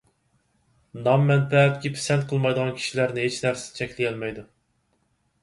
نام ـ مەنپەئەتكە پىسەنت قىلمايدىغان كىشىلەرنى ھېچ نەرسە چەكلىيەلمەيدۇ،